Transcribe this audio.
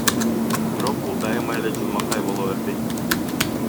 Бирок бул дайыма эле жылмакай боло бербейт.